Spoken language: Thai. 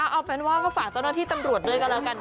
เอาเป็นว่าก็ฝากเจ้าหน้าที่ตำรวจด้วยกันแล้วกัน